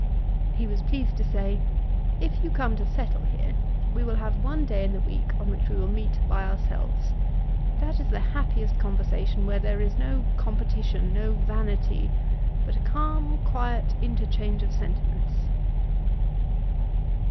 He was pleased to say, 'If you come to settle here, we will have one day in the week on which we will meet by ourselves. That is the happiest conversation where there is no competition, no vanity, but a calm quiet interchange of sentiments.'